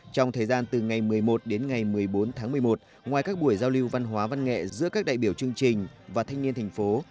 trong thời gian từ ngày một mươi một đến ngày một mươi bốn tháng một mươi một ngoài các buổi giao lưu văn hóa văn nghệ giữa các đại biểu chương trình và thanh niên thành phố